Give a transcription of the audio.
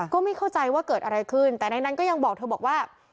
ก็ไม่เข้าใจว่าเกิดอะไรขึ้นแต่ในนั้นก็ยังบอกเธอบอกว่า